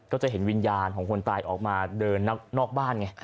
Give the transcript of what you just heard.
ก็จะเห็นวิญญาณของคนตายออกมาเดินนอกบ้านไง